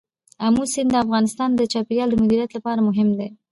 آمو سیند د افغانستان د چاپیریال د مدیریت لپاره مهم دی.